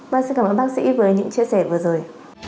vâng xin cảm ơn bác sĩ với những chia sẻ vừa rồi